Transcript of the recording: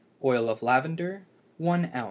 Oil of lavender 1 oz.